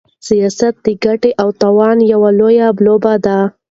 سياست د ګټې او تاوان يوه لويه لوبه ده.